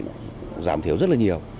thì giảm thiếu rất là nhiều